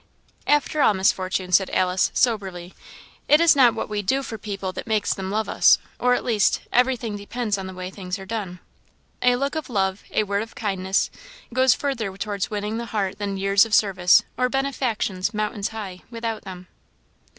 "After all, Miss Fortune," said Alice, soberly, "it is not what we do for people that makes them love us or, at least, everything depends on the way things are done. A look of love, a word of kindness, goes further towards winning the heart than years of service, or benefactions mountain high, without them."